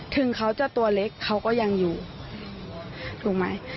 ถึงเขาจะตัวเล็กเขาก็ยังอยู่ถูกไหม